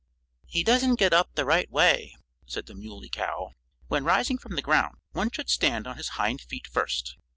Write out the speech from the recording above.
"He doesn't get up the right way," said the Muley Cow. "When rising from the ground one should stand on his hind feet first."